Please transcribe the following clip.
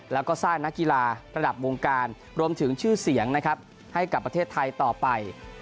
แล้วก็สร้างนักกีฬาระดับวงการรวมถึงชื่อเสียงนะครับให้กับประเทศไทยต่อไป